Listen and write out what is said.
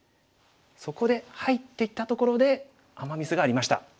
そこで入っていったところでアマ・ミスがありました。